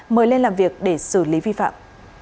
mời lên làm việc để xử lý vi phạm